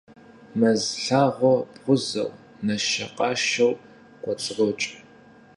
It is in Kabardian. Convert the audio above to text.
Мэз лъагъуэр бгъузэу, нэшэкъашэу кӀуэцӀрокӀ.